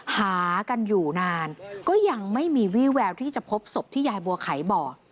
หากันอยู่นานก็ยังไม่มีวี่แววที่จะพบศพที่ยายบัวไขบอก